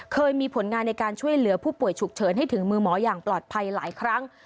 เคยมีผลงานในการช่วยเหลือผู้ป่วยฉุกเฉินให้ถึงมือหมออย่างปลอดภัยหลายครั้ง